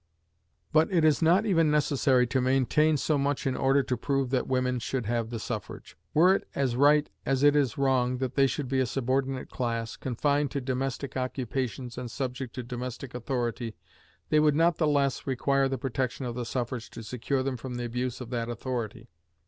But it is not even necessary to maintain so much in order to prove that women should have the suffrage. Were it as right as it is wrong that they should be a subordinate class, confined to domestic occupations and subject to domestic authority, they would not the less require the protection of the suffrage to secure them from the abuse of that authority.